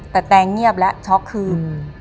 แต่แตงเงียบแล้วช็อกคืน